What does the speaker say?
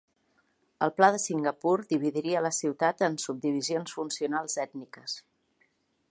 El pla de Singapur dividiria la ciutat en subdivisions funcionals ètniques.